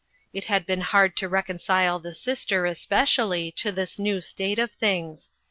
It had been hard to reconcile the sister, es pecially, to this new state of things.